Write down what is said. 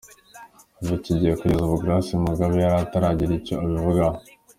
Kuva icyo gihe kugeza ubu Grace Mugabe yari ataragira icyo abivugaho.